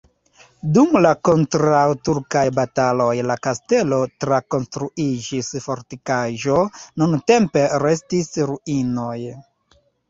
Dum la kontraŭturkaj bataloj la kastelo trakonstruiĝis fortikaĵo, nuntempe restis ruinoj.